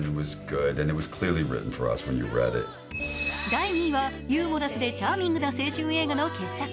第２位はユーモラスでチャーミングな青春映画の傑作。